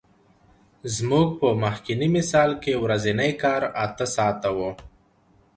زموږ په مخکیني مثال کې ورځنی کار اته ساعته وو